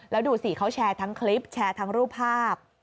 แล้วดูสิเขาแชร์ทั้งคลิปแชร์ทั้งรูปภาพ